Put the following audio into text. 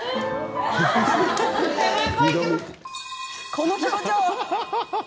この表情。